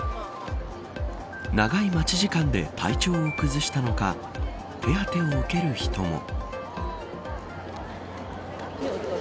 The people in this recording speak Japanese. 長い待ち時間で体調を崩したのか手当てを受ける人も。